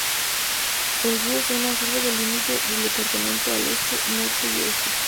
El río Sena sirve de límite del departamento al este, norte y oeste.